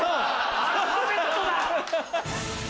アルファベットだ。